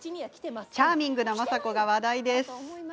チャーミングな政子が話題です。